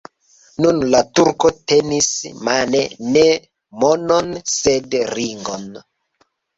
Nun la turko tenis mane ne monon, sed ringon.